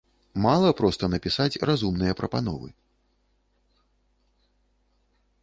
Мала проста напісаць разумныя прапановы.